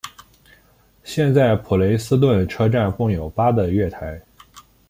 现在普雷斯顿车站共有八个月台。